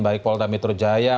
baik pol damitro jaya